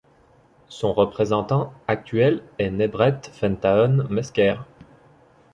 Son représentant actuel est Nebret Fentahun Mesker.